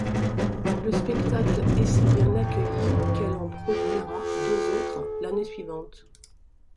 Le spectacle est si bien accueilli qu'elle en produira deux autres l'année suivante.